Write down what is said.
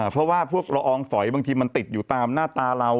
เพราะว่าพวกละอองฝอยบางทีมันติดอยู่ตามหน้าตาเรา